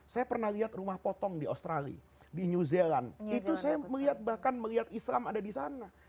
saya pernah lihat rumah potong di australia di new zealand itu saya melihat bahkan melihat islam ada di sana